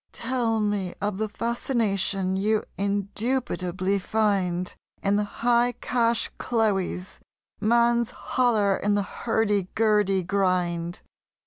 Tell me of the fascination you indubitably find In the "High Cash Cloe's!" man's holler in the hurdy gurdy grind.